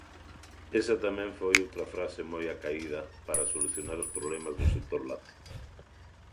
Esa tamén foi outra frase moi acaída para solucionar os problemas do sector lácteo.